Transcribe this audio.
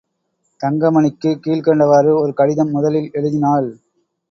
தங்கமணிக்குக் கீழ்க்கண்டவாறு ஒரு கடிதம் முதலில் எழுதினாள்.